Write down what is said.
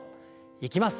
いきます。